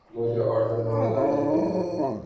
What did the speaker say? مجھے آرڈر وہاں جانے کا ملا۔